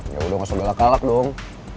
ya udah gak usah belak belak dong